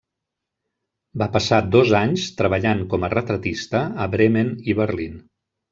Va passar dos anys treballant com a retratista a Bremen i Berlín.